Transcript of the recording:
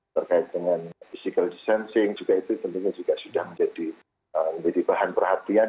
terkait dengan physical distancing juga itu tentunya juga sudah menjadi bahan perhatian